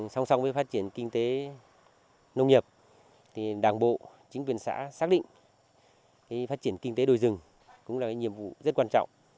song song với phát triển kinh tế nông nghiệp đảng bộ chính quyền xã xác định phát triển kinh tế đồi rừng cũng là nhiệm vụ rất quan trọng